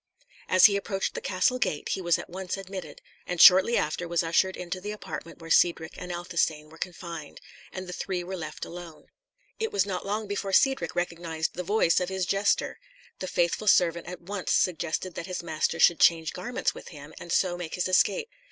As he approached the castle gate, he was at once admitted, and shortly after was ushered into the apartment where Cedric and Athelstane were confined; and the three were left alone. It was not long before Cedric recognised the voice of his jester. The faithful servant at once suggested that his master should change garments with him, and so make his escape.